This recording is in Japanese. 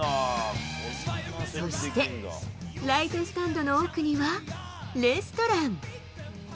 そして、ライトスタンドの奥にはレストラン。